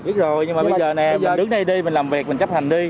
biết rồi nhưng mà bây giờ nè mình đứng đây đi mình làm việc mình chấp hành đi